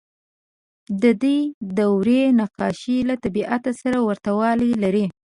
د دې دورې نقاشۍ له طبیعت سره ورته والی لري.